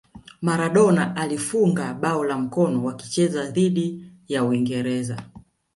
Maladona alifungwa bao la mkono wakicheza dhidi ya uingereza